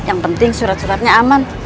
yang penting surat suratnya aman